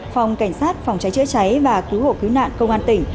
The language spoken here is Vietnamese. phòng cảnh sát phòng cháy chữa cháy và cứu hộ cứu nạn công an tỉnh